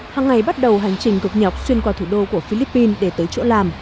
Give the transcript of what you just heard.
hàng ngày bắt đầu hành trình cực nhọc xuyên qua thủ đô của philippines để tới chỗ làm